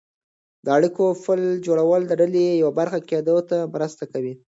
د اړیکو پل جوړول د ډلې یوه برخه کېدو ته مرسته کوي.